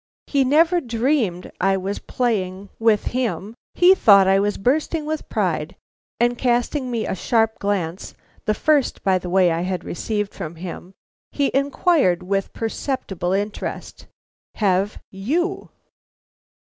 He never dreamed I was playing with him; he thought I was bursting with pride; and casting me a sharp glance (the first, by the way, I had received from him), he inquired with perceptible interest: "Have _you?